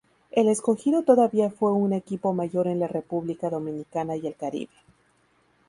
El Escogido todavía fue un equipo mayor en la República Dominicana y el Caribe.